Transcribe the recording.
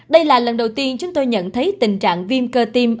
đây là lần đầu tiên chúng tôi nhận thấy tình trạng viêm cơ tim